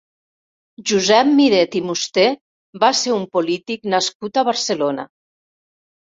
Josep Miret i Musté va ser un polític nascut a Barcelona.